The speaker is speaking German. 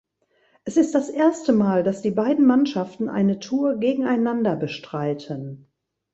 Es ist das erste Mal das die beiden Mannschaften eine Tour gegeneinander bestreiten.